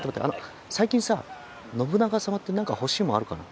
最近さ信長様って何か欲しいもんあるかな？